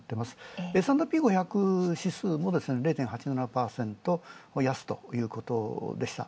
Ｓ＆Ｐ５００指数も０．８７％安ということでした。